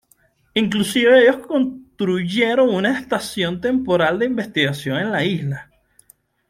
Inclusive ellos construyeron una estación temporal de investigación en la isla.